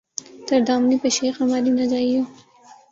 ''تر دامنی پہ شیخ ہماری نہ جائیو